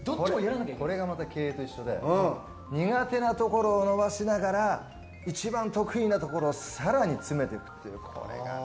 これがまた経営と一緒で苦手なところを伸ばしながら一番得意なところを更に詰めていくという。